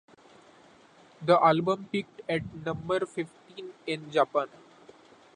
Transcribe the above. The album peaked at number fifteen in Japan.